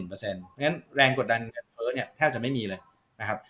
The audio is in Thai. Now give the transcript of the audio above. เพราะฉะนั้นแรงกดดันเงินเฟ้อเนี่ยแทบจะไม่มีเลยนะครับ